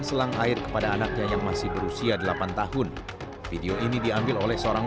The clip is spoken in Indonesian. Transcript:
selang air kepada anaknya yang masih berusia delapan tahun video ini diambil oleh seorang